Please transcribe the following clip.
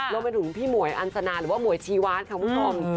รวมไปถึงพี่หมวยอันสนาหรือว่าหมวยชีวาสค่ะคุณผู้ชม